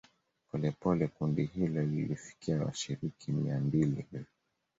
Polepole kundi hilo lilifikia washiriki mia mbili hivi